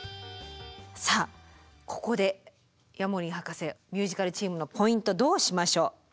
さあここでヤモリン博士ミュージカルチームのポイントどうしましょう？